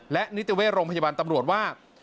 และนิติเวชโรงพยาบาลตำรวจว่า